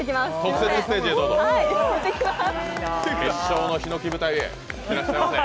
決勝のひのき舞台へ、いってらっしゃいませ。